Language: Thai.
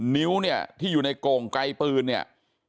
นิ้วเนี่ยที่อยู่ในโก่งไกลปืนเนี่ย